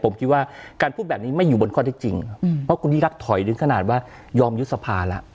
ผมคิดว่าการพูดแบบนี้ไม่อยู่บนข้อที่จริงเพราะคุณยิ่งรักถอยถึงขนาดว่ายอมยุบสภาแล้ว